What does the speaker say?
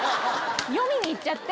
読みに行っちゃって。